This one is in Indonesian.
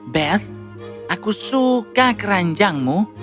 beth aku suka keranjangmu